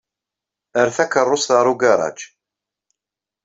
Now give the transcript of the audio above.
Err takeṛṛust ɣer ugaṛaj.